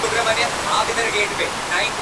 ځناورو هري خوا ته كړلې منډي.